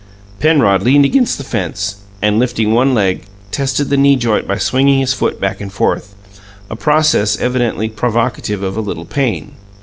Penrod leaned against the fence, and, lifting one leg, tested the knee joint by swinging his foot back and forth, a process evidently provocative of a little pain.